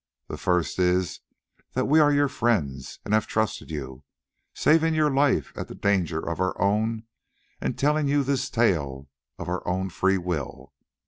The first is that we are your friends and have trusted you, saving your life at the danger of our own and telling you this tale of our own free will.